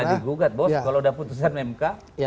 bisa digugat bos kalau sudah putusan mk